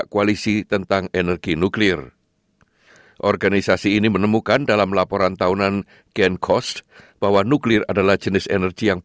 kami telah melakukan lebih dari dua ujian